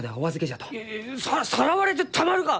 いやささらわれてたまるか！